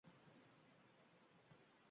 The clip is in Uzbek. Bu gazetaning nomi emas